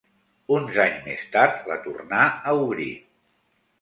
Uns anys més tard la tornà a obrir.